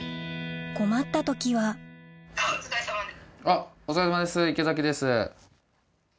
困った時はお疲れさまです池崎です。